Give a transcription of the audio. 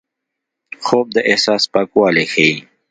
خوب د احساس پاکوالی ښيي